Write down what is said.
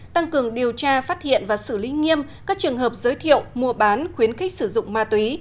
tăng cường điều tra phát hiện và xử lý nghiêm các trường hợp giới thiệu mua bán khuyến khích sử dụng ma túy